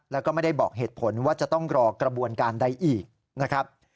แล้วก็ไม่ได้บอกเหตุผลว่าจะต้องรอกระบวนการใดอีกนะครับ